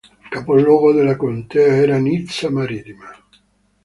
Capoluogo della contea era Nizza Marittima.